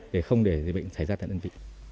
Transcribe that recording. để không để dịch bệnh xảy ra tại đơn vị